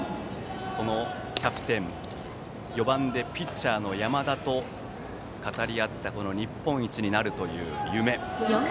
そのキャプテン４番でピッチャーの山田と語り合った日本一になるという夢。